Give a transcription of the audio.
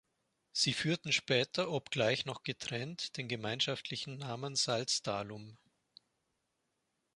Sie führten später, obgleich noch getrennt, den gemeinschaftlichen Namen Salzdahlum.